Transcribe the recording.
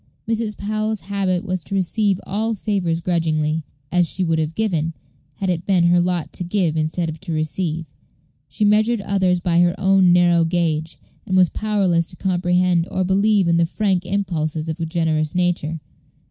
Mrs. Powell's habit was to receive all favors grudgingly, as she would have given, had it been her lot to give instead of to receive. She measured others by her own narrow gauge, and was powerless to comprehend or believe in the frank impulses of a generous nature.